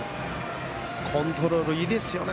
コントロールいいですよね。